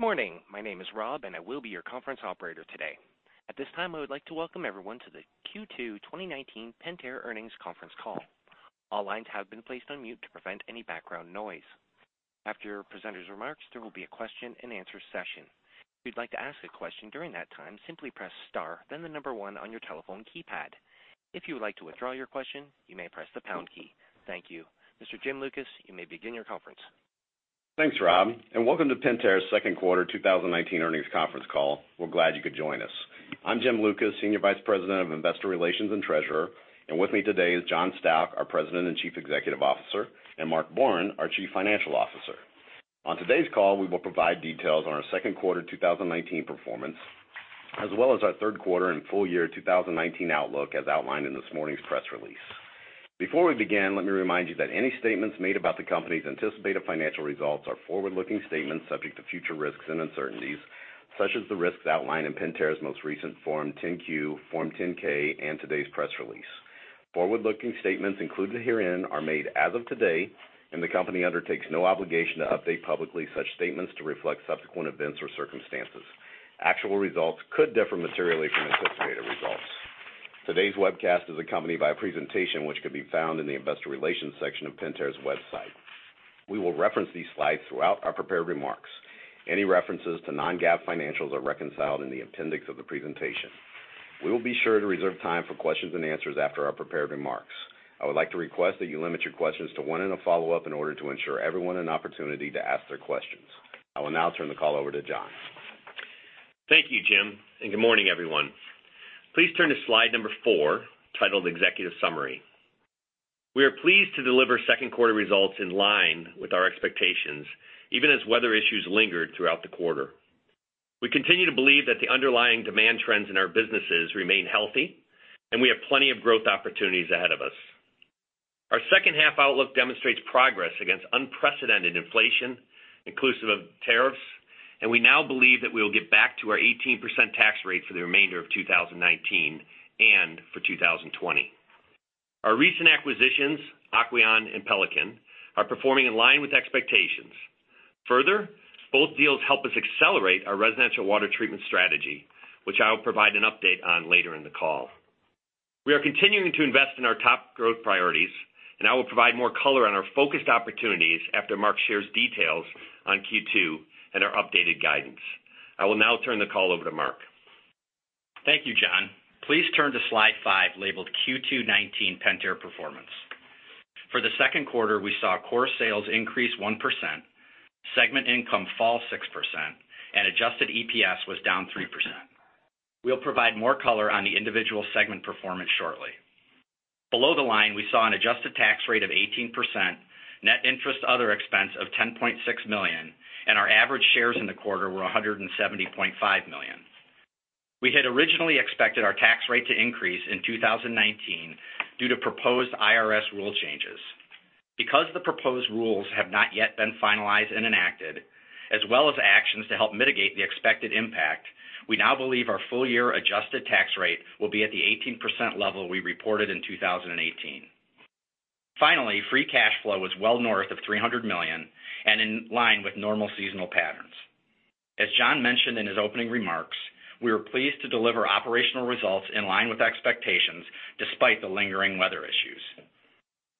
Good morning. My name is Rob, and I will be your conference operator today. At this time, I would like to welcome everyone to the Q2 2019 Pentair Earnings Conference Call. All lines have been placed on mute to prevent any background noise. After our presenters' remarks, there will be a question and answer session. If you'd like to ask a question during that time, simply press star, then the number 1 on your telephone keypad. If you would like to withdraw your question, you may press the pound key. Thank you. Mr. Jim Lucas, you may begin your conference. Thanks, Rob, and welcome to Pentair's second quarter 2019 earnings conference call. We're glad you could join us. I'm Jim Lucas, Senior Vice President of Investor Relations and Treasurer, and with me today is John Stauch, our President and Chief Executive Officer, and Mark Borin, our Chief Financial Officer. On today's call, we will provide details on our second quarter 2019 performance, as well as our third quarter and full year 2019 outlook as outlined in this morning's press release. Before we begin, let me remind you that any statements made about the company's anticipated financial results are forward-looking statements subject to future risks and uncertainties, such as the risks outlined in Pentair's most recent Form 10-Q, Form 10-K, and today's press release. Forward-looking statements included herein are made as of today, and the company undertakes no obligation to update publicly such statements to reflect subsequent events or circumstances. Actual results could differ materially from anticipated results. Today's webcast is accompanied by a presentation which could be found in the investor relations section of Pentair's website. We will reference these slides throughout our prepared remarks. Any references to non-GAAP financials are reconciled in the appendix of the presentation. We will be sure to reserve time for questions and answers after our prepared remarks. I would like to request that you limit your questions to one and a follow-up in order to ensure everyone an opportunity to ask their questions. I will now turn the call over to John. Thank you, Jim, and good morning, everyone. Please turn to slide number four, titled Executive Summary. We are pleased to deliver second quarter results in line with our expectations, even as weather issues lingered throughout the quarter. We continue to believe that the underlying demand trends in our businesses remain healthy, and we have plenty of growth opportunities ahead of us. Our second half outlook demonstrates progress against unprecedented inflation, inclusive of tariffs, and we now believe that we will get back to our 18% tax rate for the remainder of 2019 and for 2020. Our recent acquisitions, Aquion and Pelican, are performing in line with expectations. Further, both deals help us accelerate our residential water treatment strategy, which I will provide an update on later in the call. We are continuing to invest in our top growth priorities, and I will provide more color on our focused opportunities after Mark shares details on Q2 and our updated guidance. I will now turn the call over to Mark. Thank you, John. Please turn to slide five, labeled Q2 2019 Pentair Performance. For the second quarter, we saw core sales increase 1%, segment income fall 6%, and adjusted EPS was down 3%. We'll provide more color on the individual segment performance shortly. Below the line, we saw an adjusted tax rate of 18%, net interest other expense of $10.6 million, and our average shares in the quarter were 170.5 million. We had originally expected our tax rate to increase in 2019 due to proposed IRS rule changes. The proposed rules have not yet been finalized and enacted, as well as actions to help mitigate the expected impact, we now believe our full year adjusted tax rate will be at the 18% level we reported in 2018. Free cash flow was well north of $300 million and in line with normal seasonal patterns. As John mentioned in his opening remarks, we were pleased to deliver operational results in line with expectations, despite the lingering weather issues.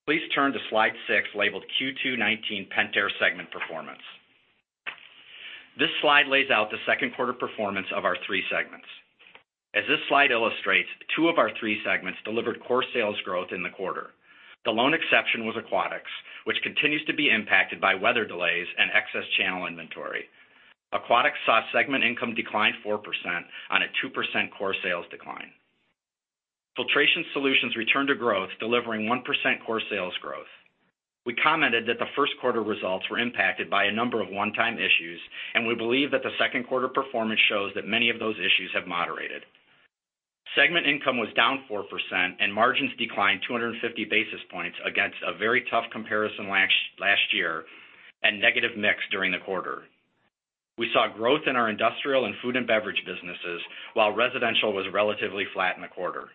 Please turn to slide six, labeled Q2 2019 Pentair Segment Performance. This slide lays out the second quarter performance of our three segments. As this slide illustrates, two of our three segments delivered core sales growth in the quarter. The lone exception was Aquatics, which continues to be impacted by weather delays and excess channel inventory. Aquatics saw segment income decline 4% on a 2% core sales decline. Filtration Solutions returned to growth, delivering 1% core sales growth. We commented that the first quarter results were impacted by a number of one-time issues, and we believe that the second quarter performance shows that many of those issues have moderated. Segment income was down 4% and margins declined 250 basis points against a very tough comparison last year and negative mix during the quarter. We saw growth in our industrial and food and beverage businesses, while residential was relatively flat in the quarter.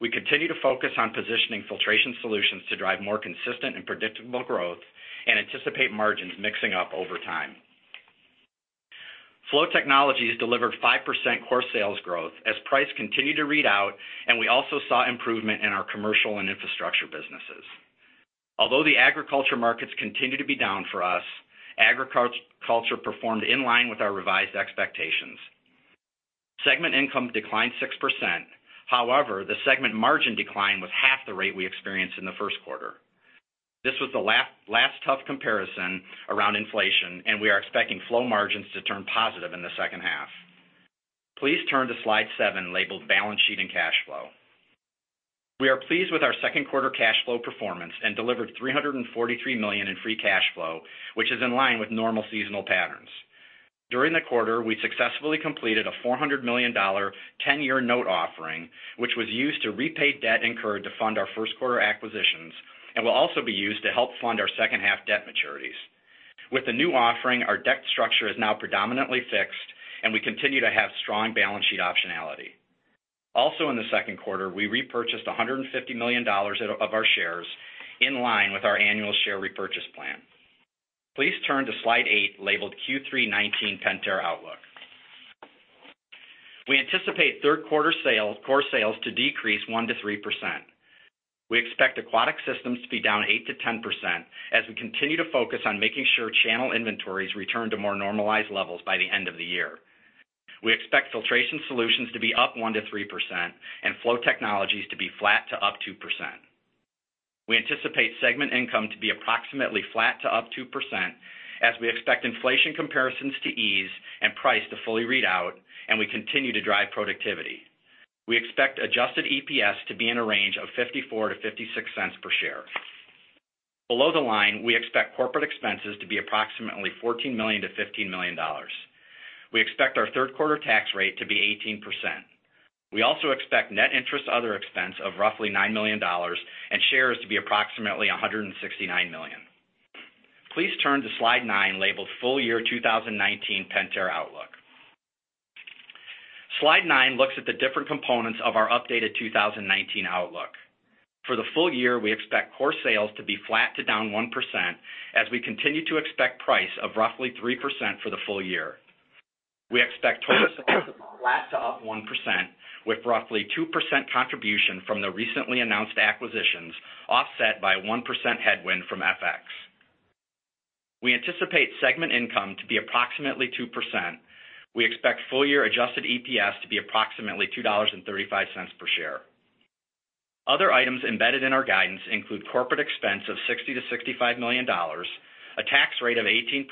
We continue to focus on positioning Filtration Solutions to drive more consistent and predictable growth and anticipate margins mixing up over time. Flow Technologies delivered 5% core sales growth as price continued to read out, and we also saw improvement in our commercial and infrastructure businesses. Although the aquaculture markets continue to be down for us, aquaculture performed in line with our revised expectations. Segment income declined 6%. However, the segment margin decline was half the rate we experienced in the first quarter. This was the last tough comparison around inflation, and we are expecting Flow margins to turn positive in the second half. Please turn to slide seven, labeled Balance Sheet and Cash Flow. We are pleased with our second quarter cash flow performance and delivered $343 million in free cash flow, which is in line with normal seasonal patterns. During the quarter, we successfully completed a $400 million 10-year note offering, which was used to repay debt incurred to fund our first quarter acquisitions and will also be used to help fund our second half debt maturities. With the new offering, our debt structure is now predominantly fixed, and we continue to have strong balance sheet optionality. Also in the second quarter, we repurchased $150 million of our shares in line with our annual share repurchase plan. Please turn to slide eight, labeled Q3 2019 Pentair Outlook. We anticipate third quarter core sales to decrease 1%-3%. We expect Aquatic Systems to be down 8%-10% as we continue to focus on making sure channel inventories return to more normalized levels by the end of the year. We expect Filtration Solutions to be up 1%-3% and Flow Technologies to be flat to up 2%. We anticipate segment income to be approximately flat to up 2% as we expect inflation comparisons to ease and price to fully read out, and we continue to drive productivity. We expect adjusted EPS to be in a range of $0.54-$0.56 per share. Below the line, we expect corporate expenses to be approximately $14 million-$15 million. We expect our third quarter tax rate to be 18%. We also expect net interest other expense of roughly $9 million and shares to be approximately 169 million. Please turn to slide nine, labeled Full Year 2019 Pentair Outlook. Slide nine looks at the different components of our updated 2019 outlook. For the full year, we expect core sales to be flat to down 1% as we continue to expect price of roughly 3% for the full year. We expect total sales to be flat to up 1%, with roughly 2% contribution from the recently announced acquisitions, offset by 1% headwind from FX. We anticipate segment income to be approximately 2%. We expect full year adjusted EPS to be approximately $2.35 per share. Other items embedded in our guidance include corporate expense of $60 million-$65 million, a tax rate of 18%,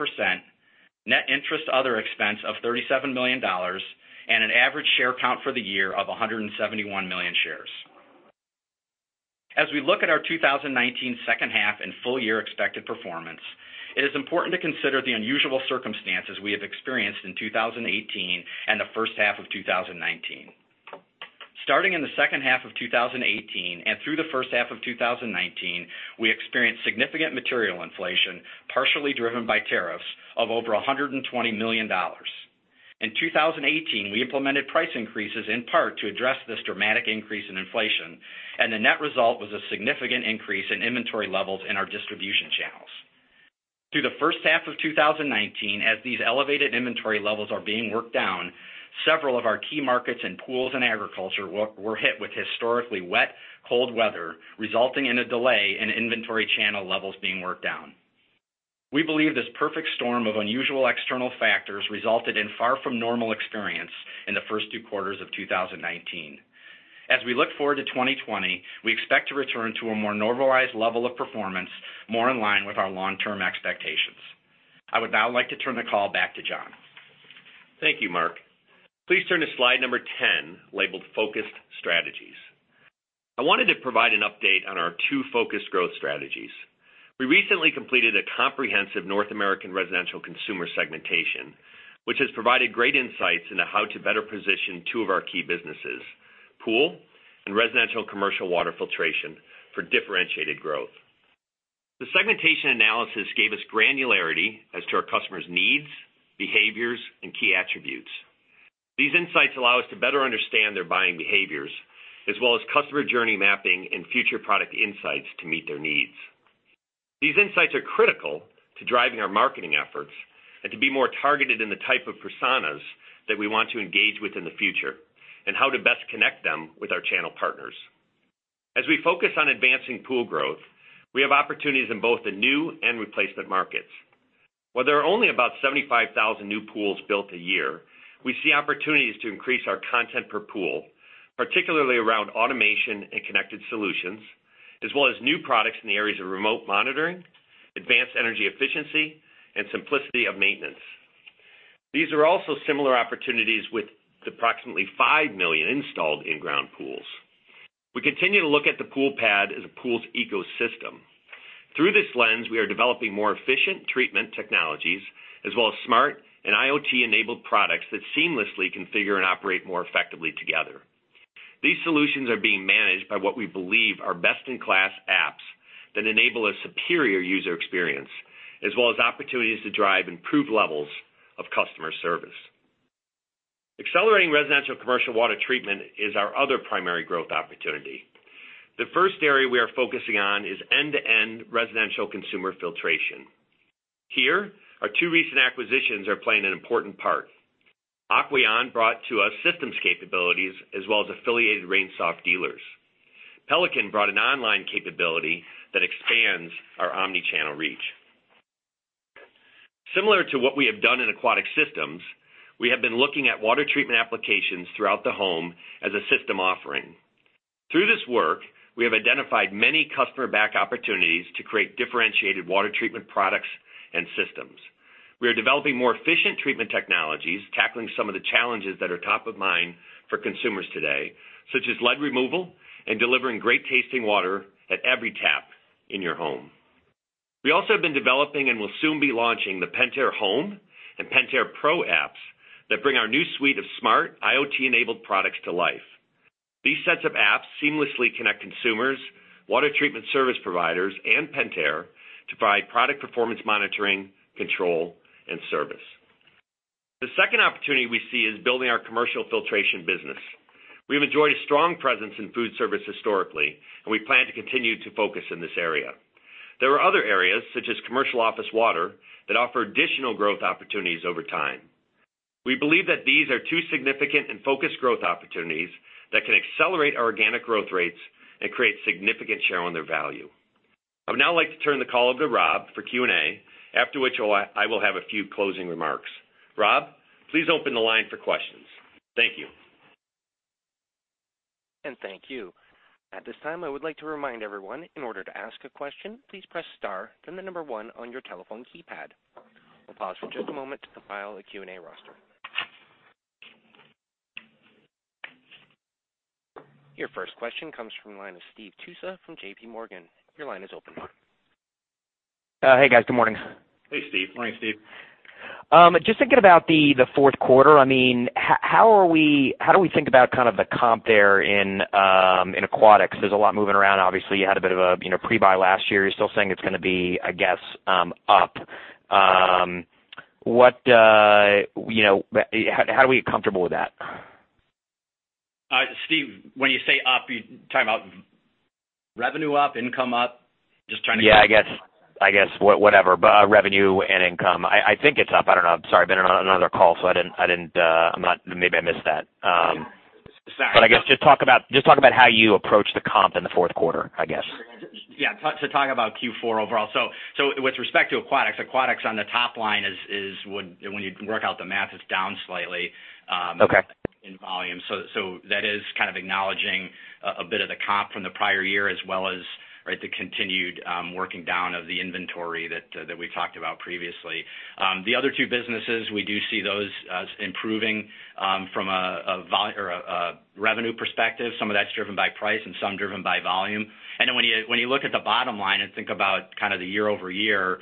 net interest other expense of $37 million, and an average share count for the year of 171 million shares. As we look at our 2019 second half and full year expected performance, it is important to consider the unusual circumstances we have experienced in 2018 and the first half of 2019. Starting in the second half of 2018 and through the first half of 2019, we experienced significant material inflation, partially driven by tariffs of over $120 million. In 2018, we implemented price increases, in part to address this dramatic increase in inflation, and the net result was a significant increase in inventory levels in our distribution channels. Through the first half of 2019, as these elevated inventory levels are being worked down, several of our key markets in pools and agriculture were hit with historically wet, cold weather, resulting in a delay in inventory channel levels being worked down. We believe this perfect storm of unusual external factors resulted in far from normal experience in the first two quarters of 2019. As we look forward to 2020, we expect to return to a more normalized level of performance, more in line with our long-term expectations. I would now like to turn the call back to John. Thank you, Mark. Please turn to slide number 10, labeled Focused Strategies. I wanted to provide an update on our two focus growth strategies. We recently completed a comprehensive North American residential consumer segmentation, which has provided great insights into how to better position two of our key businesses, pool and residential commercial water filtration for differentiated growth. The segmentation analysis gave us granularity as to our customers' needs, behaviors, and key attributes. These insights allow us to better understand their buying behaviors, as well as customer journey mapping and future product insights to meet their needs. These insights are critical to driving our marketing efforts and to be more targeted in the type of personas that we want to engage with in the future, and how to best connect them with our channel partners. As we focus on advancing pool growth, we have opportunities in both the new and replacement markets. While there are only about 75,000 new pools built a year, we see opportunities to increase our content per pool, particularly around automation and connected solutions, as well as new products in the areas of remote monitoring, advanced energy efficiency, and simplicity of maintenance. These are also similar opportunities with approximately 5 million installed in-ground pools. We continue to look at the pool pad as a pools ecosystem. Through this lens, we are developing more efficient treatment technologies, as well as smart and IoT-enabled products that seamlessly configure and operate more effectively together. These solutions are being managed by what we believe are best-in-class apps that enable a superior user experience, as well as opportunities to drive improved levels of customer service. Accelerating residential commercial water treatment is our other primary growth opportunity. The first area we are focusing on is end-to-end residential consumer filtration. Here, our two recent acquisitions are playing an important part. Aquion brought to us systems capabilities as well as affiliated RainSoft dealers. Pelican brought an online capability that expands our omni-channel reach. Similar to what we have done in Aquatic Systems, we have been looking at water treatment applications throughout the home as a system offering. Through this work, we have identified many customer back opportunities to create differentiated water treatment products and systems. We are developing more efficient treatment technologies, tackling some of the challenges that are top of mind for consumers today, such as lead removal and delivering great-tasting water at every tap in your home. We also have been developing and will soon be launching the Pentair Home and Pentair Pro apps that bring our new suite of smart IoT-enabled products to life. These sets of apps seamlessly connect consumers, water treatment service providers, and Pentair to provide product performance monitoring, control, and service. The second opportunity we see is building our commercial filtration business. We've enjoyed a strong presence in food service historically, and we plan to continue to focus in this area. There are other areas, such as commercial office water, that offer additional growth opportunities over time. We believe that these are two significant and focused growth opportunities that can accelerate our organic growth rates and create significant share on their value. I would now like to turn the call over to Rob for Q&A, after which I will have a few closing remarks. Rob, please open the line for questions. Thank you. Thank you. At this time, I would like to remind everyone, in order to ask a question, please press star then the number 1 on your telephone keypad. We'll pause for just a moment to compile a Q&A roster. Your first question comes from the line of Steve Tusa from JP Morgan. Your line is open. Hey, guys. Good morning. Hey, Steve. Morning, Steve. Thinking about the fourth quarter, how do we think about the comp there in Aquatics? There's a lot moving around. Obviously, you had a bit of a pre-buy last year. You're still saying it's going to be, I guess, up. How do we get comfortable with that? Steve, when you say up, you're talking about revenue up, income up? Yeah, I guess. Whatever, but revenue and income. I think it's up. I don't know. I'm sorry, I've been on another call, so maybe I missed that. Sorry. I guess just talk about how you approach the comp in the fourth quarter. Yeah. To talk about Q4 overall. With respect to aquatics on the top line is when you work out the math, it's down slightly. Okay in volume. That is kind of acknowledging a bit of the comp from the prior year as well as the continued working down of the inventory that we talked about previously. The other two businesses, we do see those as improving from a revenue perspective. Some of that's driven by price and some driven by volume. When you look at the bottom line and think about the year-over-year,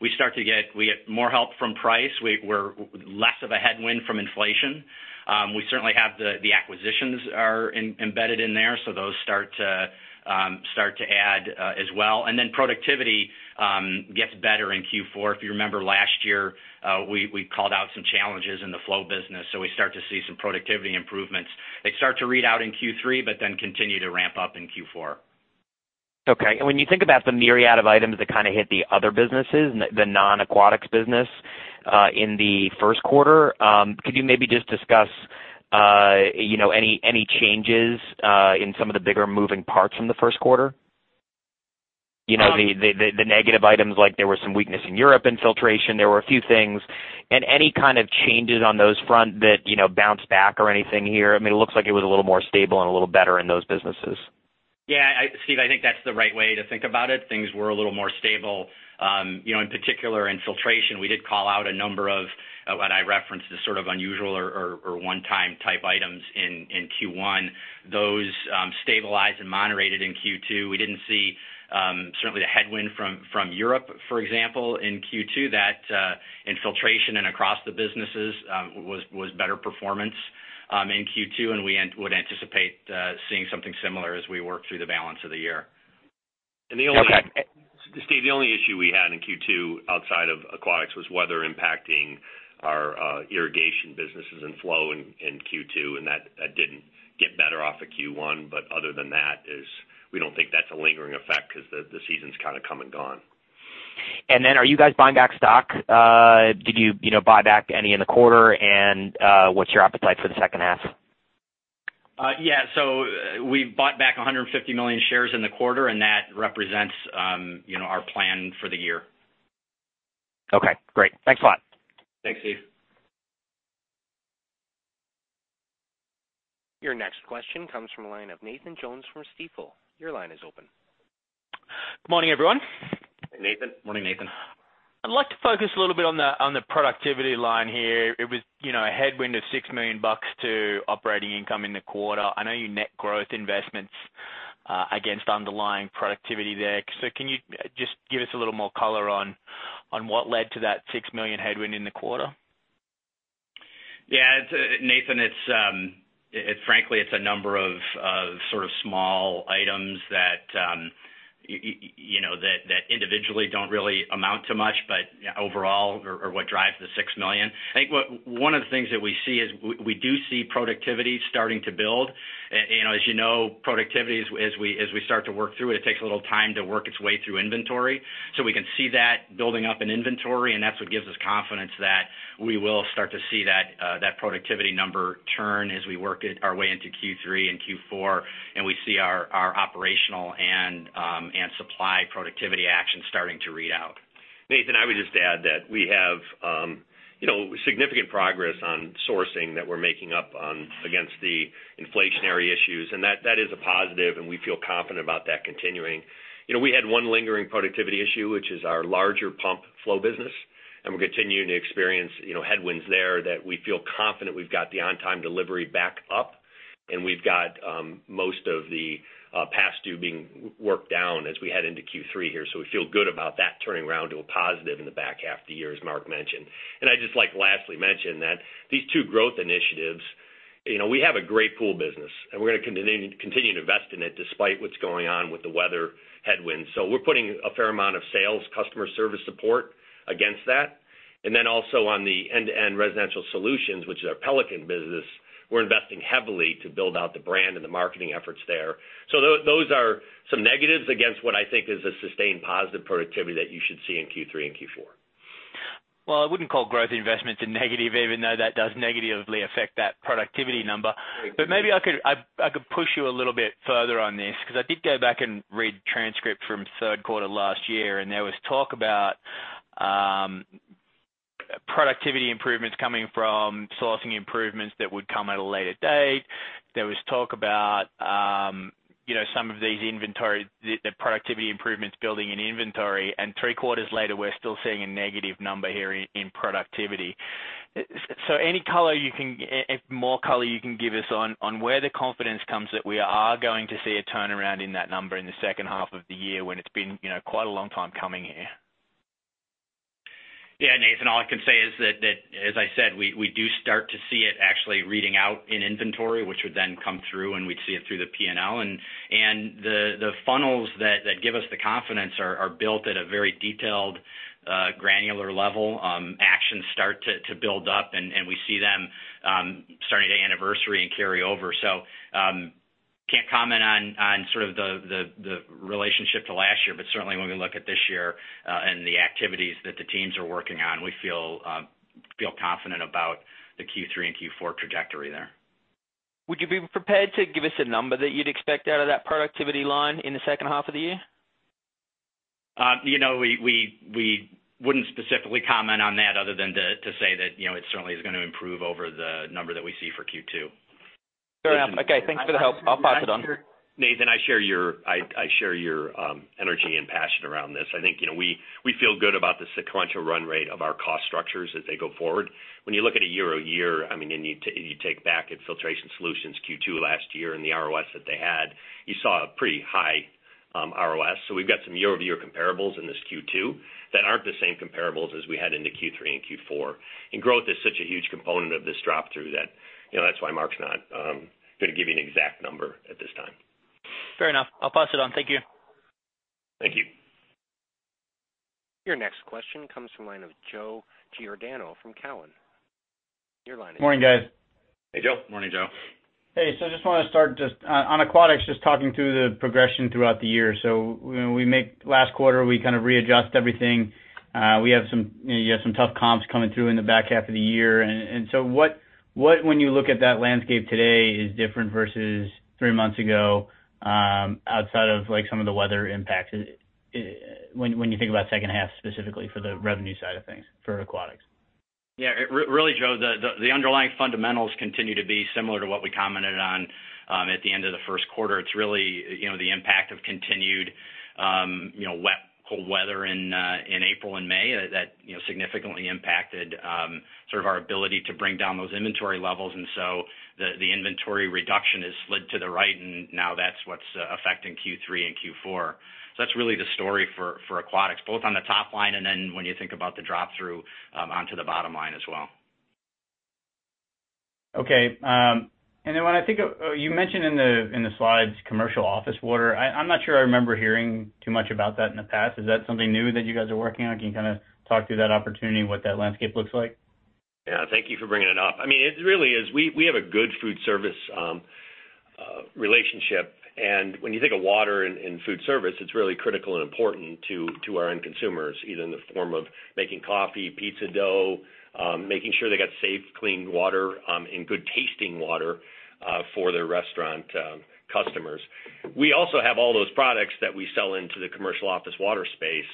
we get more help from price. We're less of a headwind from inflation. We certainly have the acquisitions are embedded in there, so those start to add as well. Productivity gets better in Q4. If you remember last year, we called out some challenges in the Flow Technologies, so we start to see some productivity improvements. They start to read out in Q3, continue to ramp up in Q4. Okay. When you think about the myriad of items that kind of hit the other businesses, the non-Aquatics business in the first quarter, could you maybe just discuss any changes in some of the bigger moving parts from the first quarter? How- The negative items, like there were some weakness in Europe in filtration. There were a few things, and any kind of changes on those front that bounced back or anything here? It looks like it was a little more stable and a little better in those businesses. Yeah. Steve, I think that's the right way to think about it. Things were a little more stable. In particular, in filtration, we did call out a number of what I referenced as sort of unusual or one-time type items in Q1. Those stabilized and moderated in Q2. We didn't see certainly the headwind from Europe, for example, in Q2, that in filtration and across the businesses was better performance in Q2, and we would anticipate seeing something similar as we work through the balance of the year. Okay. Steve, the only issue we had in Q2 outside of aquatics was weather impacting our irrigation businesses and flow in Q2. That didn't get better off of Q1. Other than that, we don't think that's a lingering effect because the season's kind of come and gone. Are you guys buying back stock? Did you buy back any in the quarter? What's your appetite for the second half? Yeah. We bought back 150 million shares in the quarter, and that represents our plan for the year. Okay, great. Thanks a lot. Thanks, Steve. Your next question comes from the line of Nathan Jones from Stifel. Your line is open. Good morning, everyone. Hey, Nathan. Morning, Nathan. I'd like to focus a little bit on the productivity line here. It was a headwind of $6 million to operating income in the quarter. I know you net growth investments against underlying productivity there. Can you just give us a little more color on what led to that $6 million headwind in the quarter? Yeah, Nathan, frankly, it's a number of sort of small items that individually don't really amount to much, but overall are what drives the $6 million. I think one of the things that we see is we do see productivity starting to build. As you know, productivity, as we start to work through it takes a little time to work its way through inventory. We can see that building up in inventory, and that's what gives us confidence that we will start to see that productivity number turn as we work our way into Q3 and Q4, and we see our operational and supply productivity actions starting to read out. Nathan, I would just add that we have significant progress on sourcing that we're making up against the inflationary issues, and that is a positive, and we feel confident about that continuing. We had one lingering productivity issue, which is our larger pump flow business, and we're continuing to experience headwinds there that we feel confident we've got the on-time delivery back up, and we've got most of the past due being worked down as we head into Q3 here. We feel good about that turning around to a positive in the back half of the year, as Mark mentioned. I'd just like to lastly mention that these two growth initiatives. We have a great pool business, and we're going to continue to invest in it despite what's going on with the weather headwinds. We're putting a fair amount of sales, customer service support against that. Also on the end-to-end residential solutions, which is our Pelican business, we're investing heavily to build out the brand and the marketing efforts there. Those are some negatives against what I think is a sustained positive productivity that you should see in Q3 and Q4. I wouldn't call growth investments a negative, even though that does negatively affect that productivity number. Maybe I could push you a little bit further on this, because I did go back and read transcript from third quarter last year, and there was talk about productivity improvements coming from sourcing improvements that would come at a later date. There was talk about some of the productivity improvements building in inventory, and three quarters later, we're still seeing a negative number here in productivity. Any more color you can give us on where the confidence comes that we are going to see a turnaround in that number in the second half of the year when it's been quite a long time coming here? Yeah, Nathan, all I can say is that, as I said, we do start to see it actually reading out in inventory, which would then come through, and we'd see it through the P&L. The funnels that give us the confidence are built at a very detailed, granular level. Actions start to build up, and we see them starting to anniversary and carry over. Can't comment on sort of the relationship to last year, but certainly when we look at this year, and the activities that the teams are working on, we feel confident about the Q3 and Q4 trajectory there. Would you be prepared to give us a number that you'd expect out of that productivity line in the second half of the year? We wouldn't specifically comment on that other than to say that it certainly is going to improve over the number that we see for Q2. Fair enough. Okay. Thanks for the help. I'll pass it on. Nathan, I share your energy and passion around this. I think we feel good about the sequential run rate of our cost structures as they go forward. When you look at it year-over-year, you take back at Filtration Solutions Q2 last year and the ROS that they had, you saw a pretty high ROS. We've got some year-over-year comparables in this Q2 that aren't the same comparables as we had into Q3 and Q4. Growth is such a huge component of this drop through that that's why Mark's not going to give you an exact number at this time. Fair enough. I'll pass it on. Thank you. Thank you. Your next question comes from the line of Joe Giordano from Cowen. Your line is open. Morning, guys. Hey, Joe. Morning, Joe. Hey, I just want to start just on Aquatics, just talking through the progression throughout the year. Last quarter, we kind of readjust everything. You have some tough comps coming through in the back half of the year. What, when you look at that landscape today, is different versus three months ago, outside of some of the weather impacts, when you think about second half specifically for the revenue side of things for Aquatics? Yeah. Really, Joe, the underlying fundamentals continue to be similar to what we commented on at the end of the first quarter. It's really the impact of continued wet, cold weather in April and May that significantly impacted sort of our ability to bring down those inventory levels. The inventory reduction has slid to the right, and now that's what's affecting Q3 and Q4. That's really the story for Aquatics, both on the top line, and then when you think about the drop-through onto the bottom line as well. Okay. You mentioned in the slides commercial office water. I'm not sure I remember hearing too much about that in the past. Is that something new that you guys are working on? Can you kind of talk through that opportunity and what that landscape looks like? Yes. Thank you for bringing it up. It really is. We have a good food service relationship. When you think of water and food service, it's really critical and important to our end consumers, either in the form of making coffee, pizza dough, making sure they got safe, clean water, and good tasting water for their restaurant customers. We also have all those products that we sell into the commercial office water space.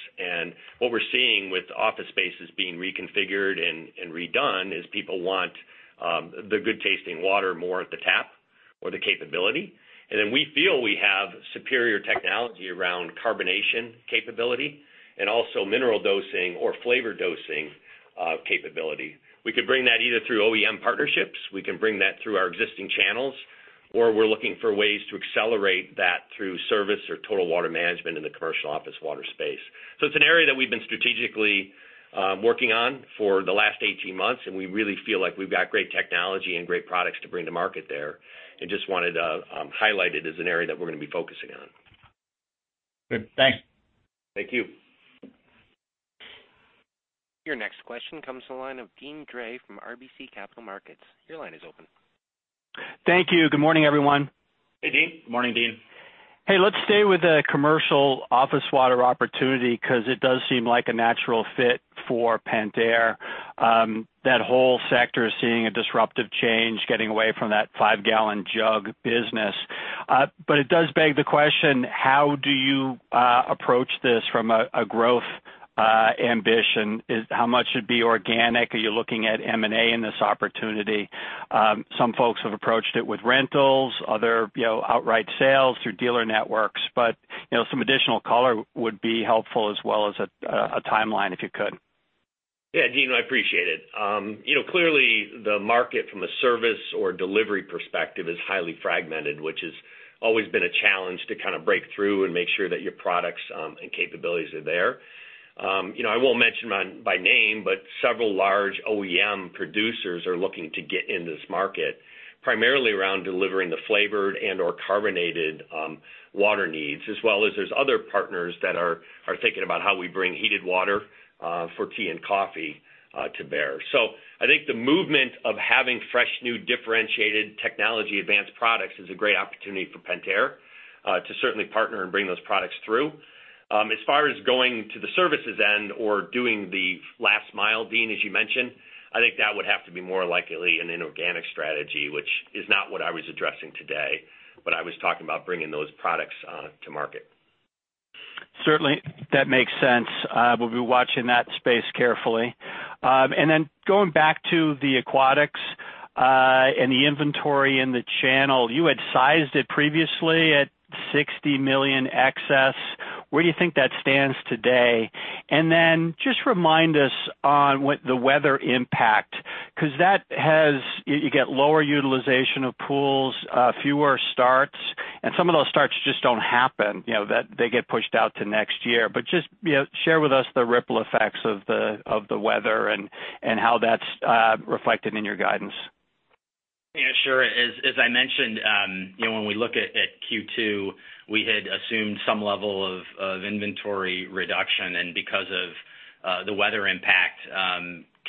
What we're seeing with office spaces being reconfigured and redone is people want the good tasting water more at the tap or the capability. We feel we have superior technology around carbonation capability and also mineral dosing or flavor dosing capability. We could bring that either through OEM partnerships, we can bring that through our existing channels, or we're looking for ways to accelerate that through service or total water management in the commercial office water space. It's an area that we've been strategically working on for the last 18 months, and we really feel like we've got great technology and great products to bring to market there, and just wanted to highlight it as an area that we're going to be focusing on. Good. Thanks. Thank you. Your next question comes to the line of Deane Dray from RBC Capital Markets. Your line is open. Thank you. Good morning, everyone. Hey, Deane. Morning, Deane. Hey, let's stay with the commercial office water opportunity because it does seem like a natural fit for Pentair. That whole sector is seeing a disruptive change, getting away from that five-gallon jug business. It does beg the question, how do you approach this from a growth ambition? How much should be organic? Are you looking at M&A in this opportunity? Some folks have approached it with rentals, other outright sales through dealer networks. Some additional color would be helpful as well as a timeline, if you could. Yeah, Deane, I appreciate it. Clearly the market from a service or delivery perspective is highly fragmented, which has always been a challenge to kind of break through and make sure that your products and capabilities are there. I won't mention by name, but several large OEM producers are looking to get in this market, primarily around delivering the flavored and/or carbonated water needs, as well as there's other partners that are thinking about how we bring heated water for tea and coffee to bear. I think the movement of having fresh, new, differentiated technology advanced products is a great opportunity for Pentair to certainly partner and bring those products through. As far as going to the services end or doing the last mile, Deane, as you mentioned, I think that would have to be more likely an inorganic strategy, which is not what I was addressing today, but I was talking about bringing those products to market. Certainly, that makes sense. We'll be watching that space carefully. Then going back to the Aquatics, and the inventory in the channel, you had sized it previously at $60 million excess. Where do you think that stands today? Then just remind us on what the weather impact, because you get lower utilization of pools, fewer starts, and some of those starts just don't happen, they get pushed out to next year. Just share with us the ripple effects of the weather and how that's reflected in your guidance. Yeah, sure. As I mentioned, when we look at Q2, we had assumed some level of inventory reduction. Because of the weather impact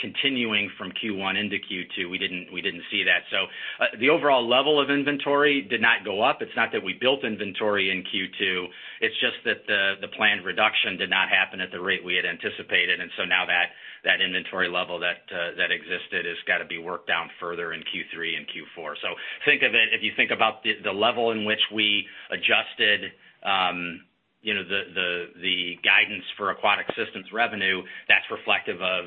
continuing from Q1 into Q2, we didn't see that. The overall level of inventory did not go up. It's not that we built inventory in Q2, it's just that the planned reduction did not happen at the rate we had anticipated, and so now that inventory level that existed has got to be worked down further in Q3 and Q4. If you think about the level in which we adjusted the guidance for Aquatic Systems revenue, that's reflective of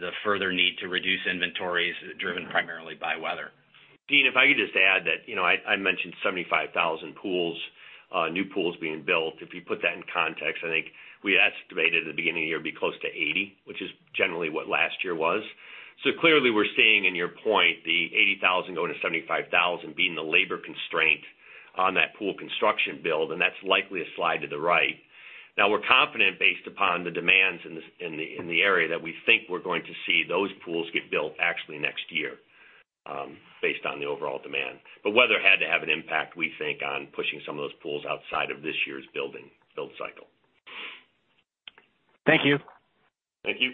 the further need to reduce inventories driven primarily by weather. Deane, if I could just add that I mentioned 75,000 new pools being built. If you put that in context, I think we had estimated at the beginning of the year it'd be close to 80, which is generally what last year was. Clearly we're seeing in your point, the 80,000 going to 75,000 being the labor constraint on that pool construction build, and that's likely a slide to the right. We're confident based upon the demands in the area that we think we're going to see those pools get built actually next year, based on the overall demand. Weather had to have an impact, we think, on pushing some of those pools outside of this year's build cycle. Thank you. Thank you.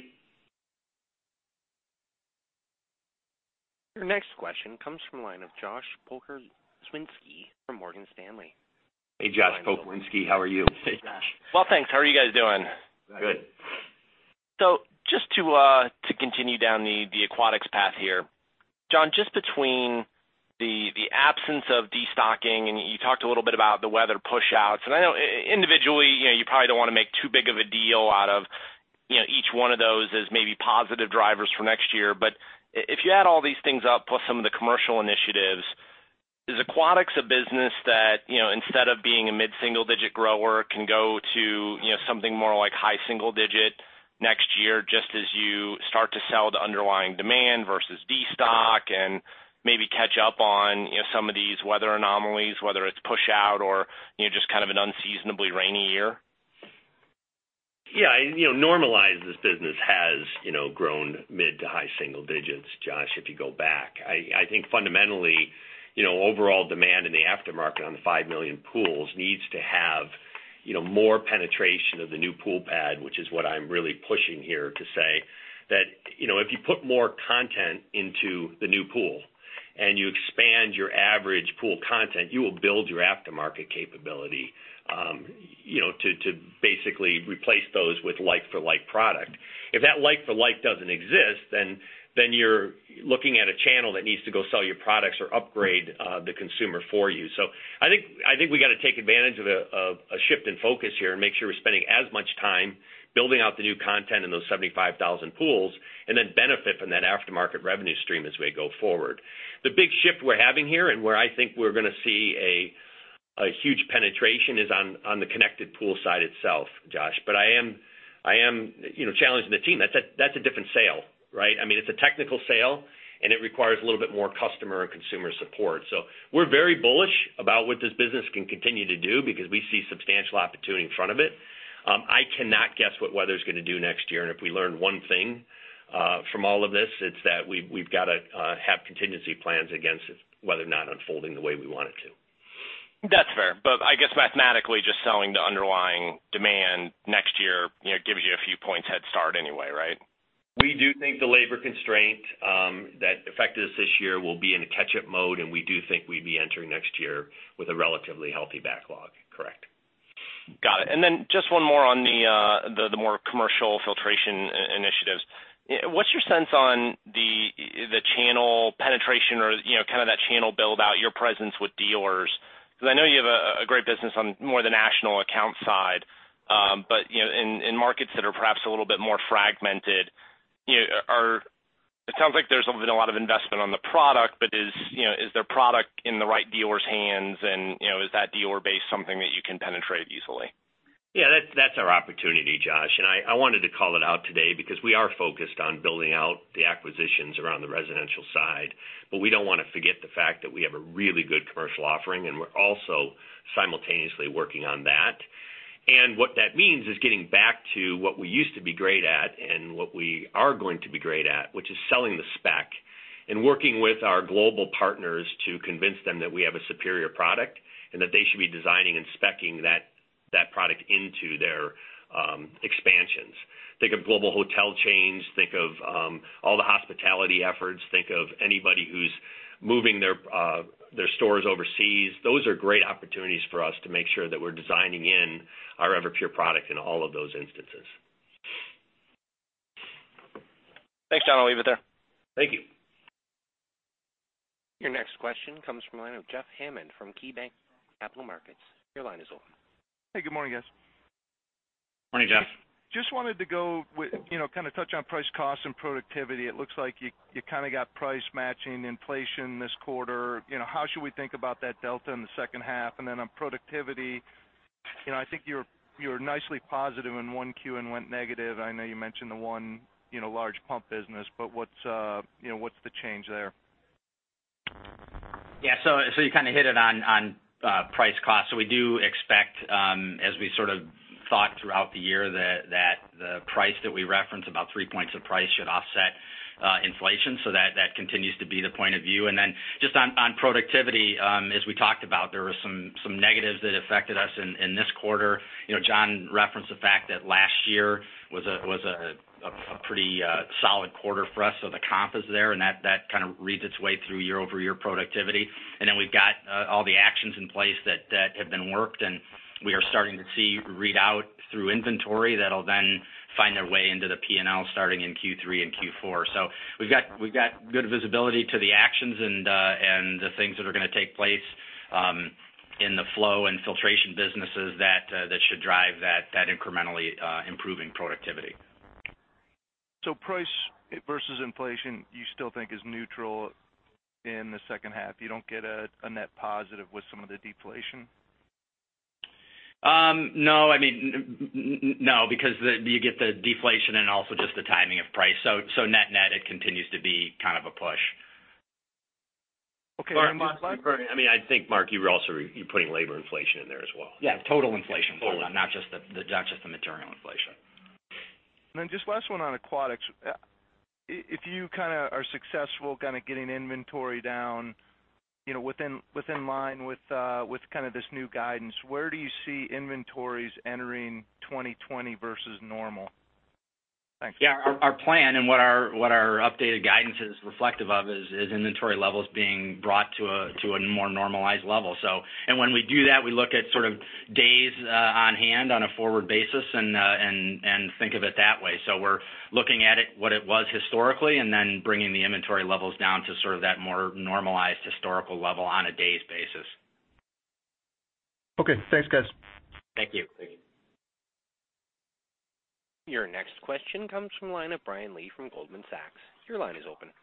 Your next question comes from the line of Josh Pokrzywinski from Morgan Stanley. Hey, Josh Pokrzywinski, how are you? Hey, Josh. Well, thanks. How are you guys doing? Good. Just to continue down the aquatics path here. John, just between the absence of destocking, and you talked a little bit about the weather push-outs, and I know individually, you probably don't want to make too big of a deal out of each one of those as maybe positive drivers for next year. If you add all these things up, plus some of the commercial initiatives, is aquatics a business that instead of being a mid-single-digit grower, can go to something more like high-single-digit next year, just as you start to sell the underlying demand versus destock and maybe catch up on some of these weather anomalies, whether it's push-out or just kind of an unseasonably rainy year? Yeah. Normalized, this business has grown mid to high single digits, Josh, if you go back. I think fundamentally, overall demand in the aftermarket on the 5 million pools needs to have more penetration of the new pool pad, which is what I'm really pushing here to say that if you put more content into the new pool and you expand your average pool content, you will build your aftermarket capability to basically replace those with like-for-like product. If that like-for-like doesn't exist, you're looking at a channel that needs to go sell your products or upgrade the consumer for you. I think we got to take advantage of a shift in focus here and make sure we're spending as much time building out the new content in those 75,000 pools, and then benefit from that aftermarket revenue stream as we go forward. The big shift we're having here, where I think we're going to see a huge penetration is on the connected pool side itself, Josh. I am challenging the team. That's a different sale, right? It's a technical sale, and it requires a little bit more customer and consumer support. We're very bullish about what this business can continue to do because we see substantial opportunity in front of it. I cannot guess what weather's going to do next year, if we learn one thing from all of this, it's that we've got to have contingency plans against weather not unfolding the way we want it to. That's fair. I guess mathematically, just selling the underlying demand next year gives you a few points head start anyway, right? We do think the labor constraint that affected us this year will be in a catch-up mode, and we do think we'd be entering next year with a relatively healthy backlog. Correct. Got it. Then just one more on the more commercial filtration initiatives. What's your sense on the channel penetration or kind of that channel build-out, your presence with dealers? I know you have a great business on more the national account side. In markets that are perhaps a little bit more fragmented, it sounds like there's been a lot of investment on the product, but is their product in the right dealer's hands, and is that dealer base something that you can penetrate easily? Yeah, that's our opportunity, Josh. I wanted to call it out today because we are focused on building out the acquisitions around the residential side. We don't want to forget the fact that we have a really good commercial offering, and we're also simultaneously working on that. What that means is getting back to what we used to be great at and what we are going to be great at, which is selling the spec and working with our global partners to convince them that we have a superior product and that they should be designing and speccing that product into their expansions. Think of global hotel chains, think of all the hospitality efforts, think of anybody who's moving their stores overseas. Those are great opportunities for us to make sure that we're designing in our Everpure product in all of those instances. Thanks, John. I'll leave it there. Thank you. Your next question comes from the line of Jeff Hammond from KeyBanc Capital Markets. Your line is open. Hey, good morning, guys. Morning, Jeff. Just wanted to kind of touch on price, cost, and productivity. It looks like you kind of got price matching inflation this quarter. How should we think about that delta in the second half? On productivity, I think you were nicely positive in 1Q and went negative. I know you mentioned the one large pump business, but what's the change there? Yeah. You kind of hit it on price, cost. We do expect, as we sort of thought throughout the year, that the price that we referenced, about three points of price, should offset inflation. Just on productivity, as we talked about, there were some negatives that affected us in this quarter. John referenced the fact that last year was a pretty solid quarter for us, so the comp is there, and that kind of reads its way through year-over-year productivity. We've got all the actions in place that have been worked, and we are starting to see read out through inventory that'll then find their way into the P&L starting in Q3 and Q4. We've got good visibility to the actions and the things that are going to take place in the flow and filtration businesses that should drive that incrementally improving productivity. Price versus inflation you still think is neutral in the second half? You don't get a net positive with some of the deflation? No, because you get the deflation and also just the timing of price. Net-net, it continues to be kind of a push. Okay. I think, Mark, you're putting labor inflation in there as well. Yeah, total inflation. Not just the material inflation. Just last one on aquatics. If you are successful getting inventory down in line with this new guidance, where do you see inventories entering 2020 versus normal? Thanks. Yeah. Our plan and what our updated guidance is reflective of is inventory levels being brought to a more normalized level. When we do that, we look at days on hand on a forward basis and think of it that way. We're looking at it what it was historically and then bringing the inventory levels down to that more normalized historical level on a days basis. Okay. Thanks, guys. Thank you. Thank you. Your next question comes from the line of Brian Lee from Goldman Sachs. Your line is open.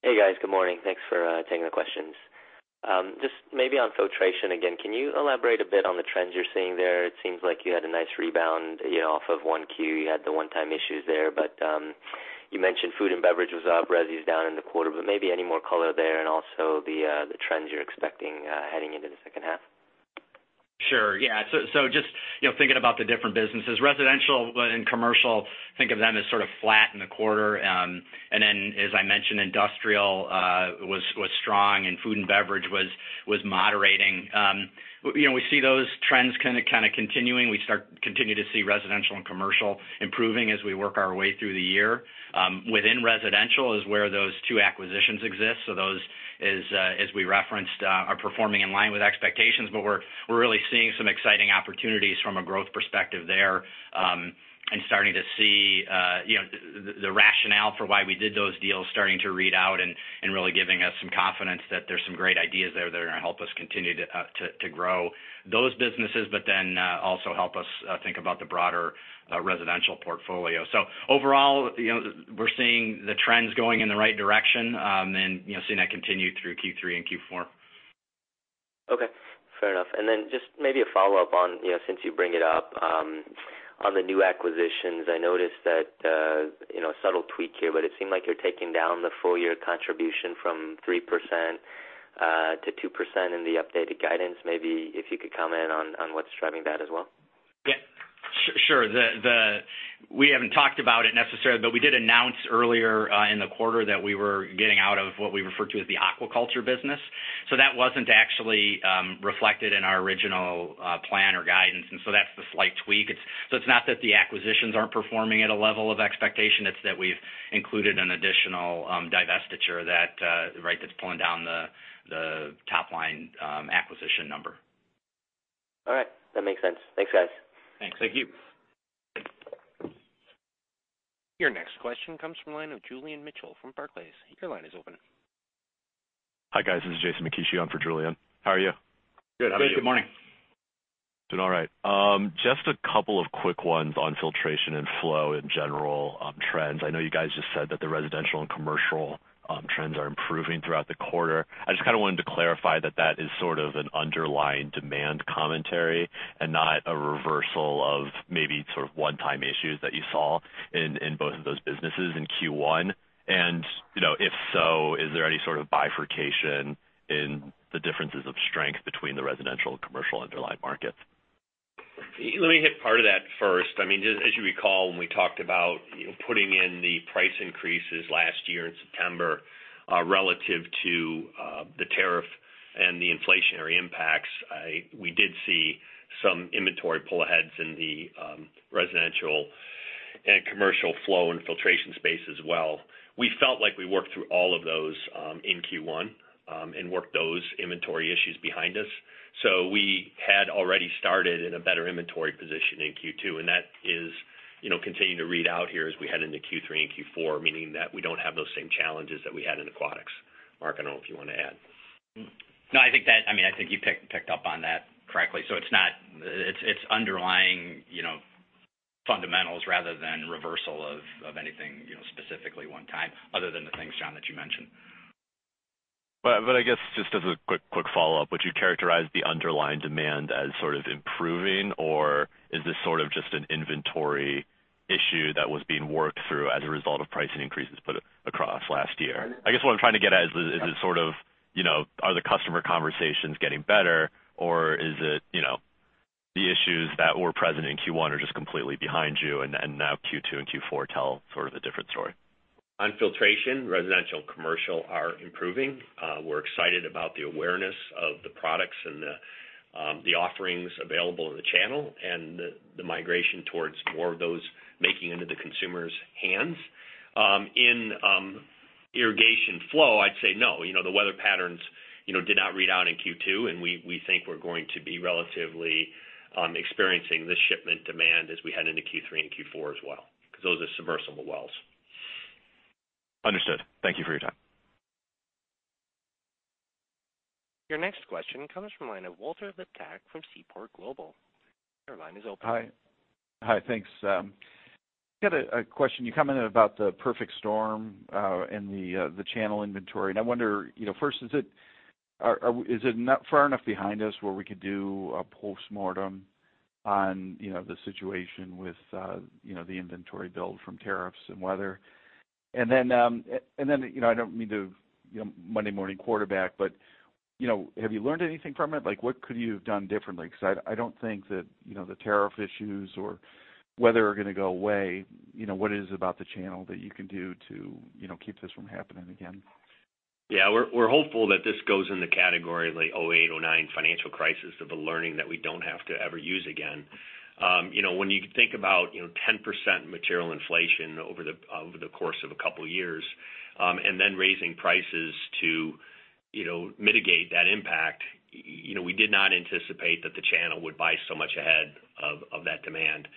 Hey, guys. Good morning. Thanks for taking the questions. Just maybe on filtration again, can you elaborate a bit on the trends you're seeing there? It seems like you had a nice rebound off of 1Q. You had the one-time issues there, but you mentioned food and beverage was up, resi's down in the quarter, but maybe any more color there and also the trends you're expecting heading into the second half? Sure. Yeah. Just thinking about the different businesses, residential and commercial, think of them as sort of flat in the quarter. As I mentioned, industrial was strong and food and beverage was moderating. We see those trends kind of continuing. We continue to see residential and commercial improving as we work our way through the year. Within residential is where those two acquisitions exist. Those, as we referenced, are performing in line with expectations. We're really seeing some exciting opportunities from a growth perspective there, and starting to see the rationale for why we did those deals starting to read out and really giving us some confidence that there's some great ideas there that are going to help us continue to grow those businesses, but then also help us think about the broader residential portfolio. Overall, we're seeing the trends going in the right direction, and seeing that continue through Q3 and Q4. Okay. Fair enough. Just maybe a follow-up on, since you bring it up, on the new acquisitions. I noticed that a subtle tweak here, but it seemed like you're taking down the full-year contribution from 3% to 2% in the updated guidance. Maybe if you could comment on what's driving that as well. Yeah. Sure. We haven't talked about it necessarily, but we did announce earlier in the quarter that we were getting out of what we refer to as the aquaculture business. That wasn't actually reflected in our original plan or guidance, and so that's the slight tweak. It's not that the acquisitions aren't performing at a level of expectation, it's that we've included an additional divestiture that's pulling down the top-line acquisition number. All right. That makes sense. Thanks, guys. Thanks. Thank you. Your next question comes from the line of Julian Mitchell from Barclays. Your line is open. Hi, guys. This is Jason Makishi. On for Julian. How are you? Good. How are you? Good morning. Doing all right. Just a couple of quick ones on Filtration and Flow in general trends. I know you guys just said that the residential and commercial trends are improving throughout the quarter. I just kind of wanted to clarify that that is sort of an underlying demand commentary and not a reversal of maybe sort of one-time issues that you saw in both of those businesses in Q1. If so, is there any sort of bifurcation in the differences of strength between the residential and commercial underlying markets? Let me hit part of that first. As you recall, when we talked about putting in the price increases last year in September relative to the tariff and the inflationary impacts, we did see some inventory pull-aheads in the residential and commercial flow and filtration space as well. We felt like we worked through all of those in Q1 and worked those inventory issues behind us. We had already started in a better inventory position in Q2, and that is continuing to read out here as we head into Q3 and Q4, meaning that we don't have those same challenges that we had in aquatics. Mark, I don't know if you want to add. No, I think you picked up on that correctly. It's underlying fundamentals rather than reversal of anything specifically one time other than the things, John, that you mentioned. I guess, just as a quick follow-up, would you characterize the underlying demand as sort of improving, or is this just an inventory issue that was being worked through as a result of pricing increases put across last year? I guess what I'm trying to get at is, are the customer conversations getting better or is it the issues that were present in Q1 are just completely behind you and now Q2 and Q4 tell sort of a different story? On filtration, residential and commercial are improving. We're excited about the awareness of the products and the offerings available in the channel and the migration towards more of those making it into the consumer's hands. In irrigation flow, I'd say no. The weather patterns did not read out in Q2, and we think we're going to be relatively experiencing this shipment demand as we head into Q3 and Q4 as well, because those are submersible wells. Understood. Thank you for your time. Your next question comes from the line of Walter Liptak from Seaport Global. Your line is open. Hi. Thanks. Got a question. You commented about the perfect storm and the channel inventory, and I wonder, first, is it not far enough behind us where we could do a postmortem on the situation with the inventory build from tariffs and weather? I don't mean to Monday morning quarterback, have you learned anything from it? What could you have done differently? Because I don't think that the tariff issues or weather are going to go away. What is it about the channel that you can do to keep this from happening again? Yeah. We're hopeful that this goes in the category of like '08, '09 financial crisis of the learning that we don't have to ever use again. When you think about 10% material inflation over the course of a couple of years, and then raising prices to mitigate that impact, we did not anticipate that the channel would buy so much ahead of that demand.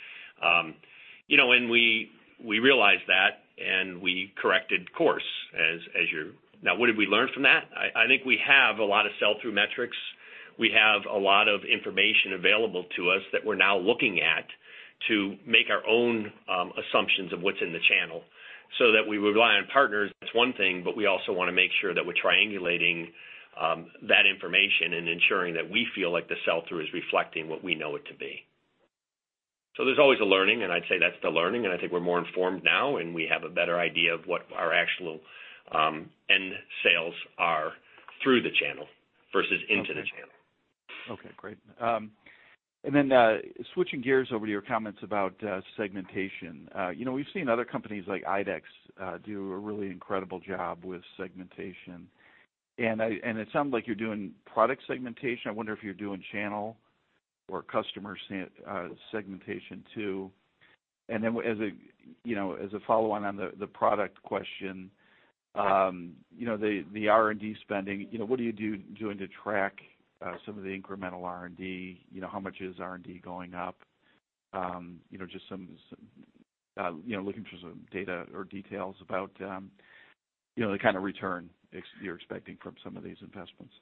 We realized that, and we corrected course. Now, what did we learn from that? I think we have a lot of sell-through metrics. We have a lot of information available to us that we're now looking at to make our own assumptions of what's in the channel. That we rely on partners, that's one thing, but we also want to make sure that we're triangulating that information and ensuring that we feel like the sell-through is reflecting what we know it to be. There's always a learning, and I'd say that's the learning, and I think we're more informed now, and we have a better idea of what our actual end sales are through the channel versus into the channel. Okay, great. Switching gears over to your comments about segmentation. We've seen other companies like IDEX do a really incredible job with segmentation, and it sounds like you're doing product segmentation. I wonder if you're doing channel or customer segmentation, too. As a follow-on on the product question, the R&D spending, what are you doing to track some of the incremental R&D? How much is R&D going up? Just looking for some data or details about the kind of return you're expecting from some of these investments.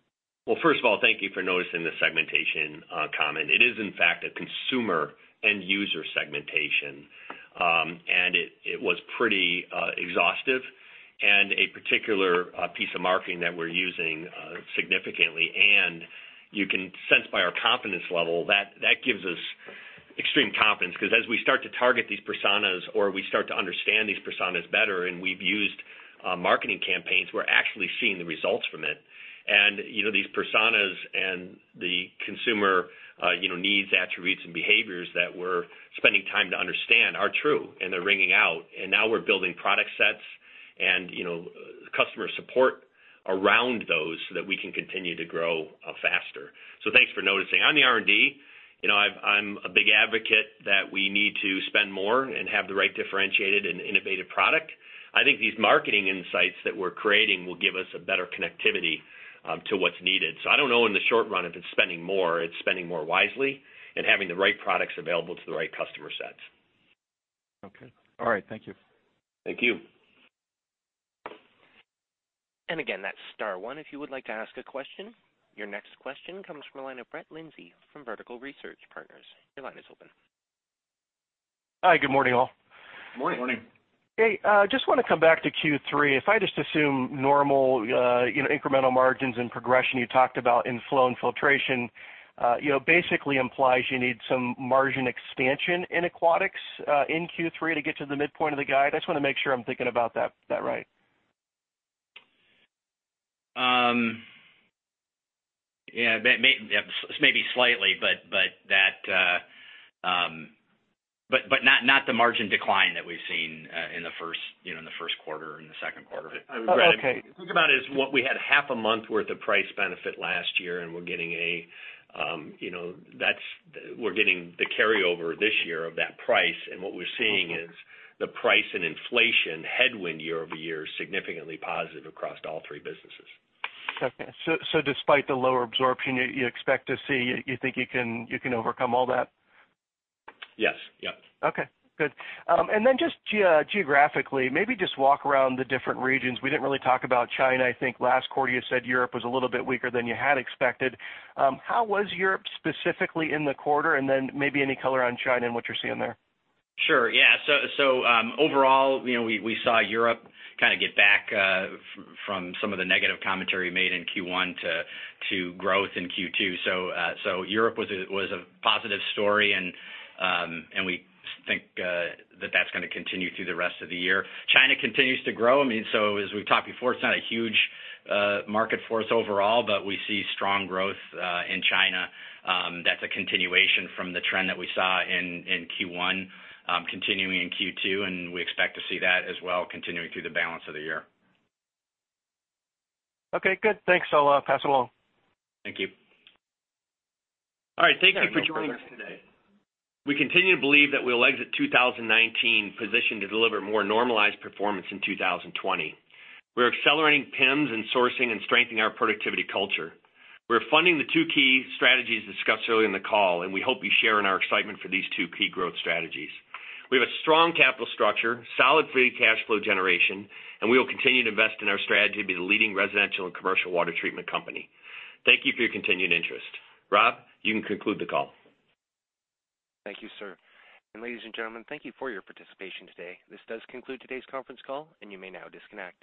Well, first of all, thank you for noticing the segmentation comment. It is, in fact, a consumer end user segmentation. It was pretty exhaustive and a particular piece of marketing that we're using significantly. You can sense by our confidence level that gives us extreme confidence because as we start to target these personas or we start to understand these personas better, and we've used marketing campaigns, we're actually seeing the results from it. These personas and the consumer needs, attributes, and behaviors that we're spending time to understand are true, and they're ringing out. Now we're building product sets and customer support around those so that we can continue to grow faster. Thanks for noticing. On the R&D, I'm a big advocate that we need to spend more and have the right differentiated and innovative product. I think these marketing insights that we're creating will give us a better connectivity to what's needed. I don't know in the short run if it's spending more, it's spending more wisely and having the right products available to the right customer sets. Okay. All right. Thank you. Thank you. Again, that's star one if you would like to ask a question. Your next question comes from the line of Brett Linzey from Vertical Research Partners. Your line is open. Hi, good morning, all. Morning. Morning. Hey, just want to come back to Q3. If I just assume normal incremental margins and progression you talked about in Flow and Filtration, basically implies you need some margin expansion in Aquatics in Q3 to get to the midpoint of the guide. I just want to make sure I'm thinking about that right. Yeah. Maybe slightly, but not the margin decline that we've seen in the first quarter and the second quarter. Oh, okay. Think about it as what we had half a month worth of price benefit last year, and we're getting the carryover this year of that price. What we're seeing is the price and inflation headwind year-over-year is significantly positive across all three businesses. Despite the lower absorption, you expect to see, you think you can overcome all that? Yes. Okay, good. Then just geographically, maybe just walk around the different regions. We didn't really talk about China. I think last quarter you said Europe was a little bit weaker than you had expected. How was Europe specifically in the quarter? Then maybe any color on China and what you're seeing there. Sure. Yeah. Overall, we saw Europe kind of get back from some of the negative commentary made in Q1 to growth in Q2. Europe was a positive story, and we think that that's going to continue through the rest of the year. China continues to grow. I mean, as we've talked before, it's not a huge market for us overall, but we see strong growth in China. That's a continuation from the trend that we saw in Q1 continuing in Q2, and we expect to see that as well continuing through the balance of the year. Okay, good. Thanks. I'll pass along. Thank you. All right. Thank you for joining us today. We continue to believe that we'll exit 2019 positioned to deliver more normalized performance in 2020. We're accelerating PIMS and sourcing and strengthening our productivity culture. We're funding the two key strategies discussed earlier in the call, and we hope you share in our excitement for these two key growth strategies. We have a strong capital structure, solid free cash flow generation, and we will continue to invest in our strategy to be the leading residential and commercial water treatment company. Thank you for your continued interest. Rob, you can conclude the call. Thank you, sir. Ladies and gentlemen, thank you for your participation today. This does conclude today's conference call, and you may now disconnect.